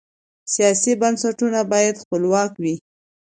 سیاسي بنسټونه باید خپلواک وي